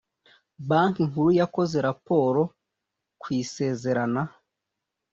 banki nkuru yakoze raporo ku isezerana